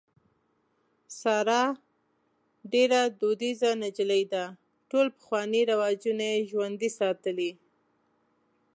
ساره ډېره دودیزه نجلۍ ده. ټول پخواني رواجونه یې ژوندي ساتلي.